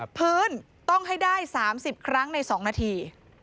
พื้นต้องให้ได้๓๐ครั้งใน๒นาที